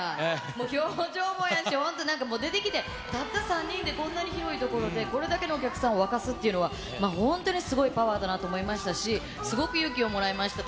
もう表情もやし、本当、なんかもう出てきて、たった３人で、こんなに広い所で、これだけのお客さんを沸かすっていうのは、本当にすごいパワーだなと思いましたし、すごく勇気をもらいました。